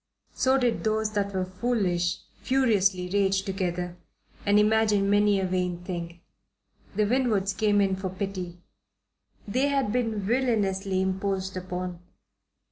So did those that were foolish furiously rage together and imagine many a vain thing. The Winwoods came in for pity. They had been villainously imposed upon.